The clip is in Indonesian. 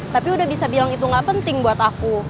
tapi udah bisa bilang itu gak penting buat aku